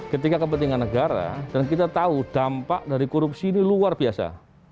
ketika kepentingan negara dan kita tahu dampak dari korupsi ini luar biasa